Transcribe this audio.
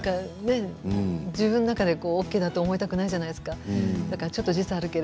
自分の中でＯＫだと思いたくないじゃないですか。